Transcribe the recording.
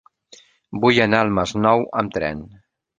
Vull anar al Masnou amb tren.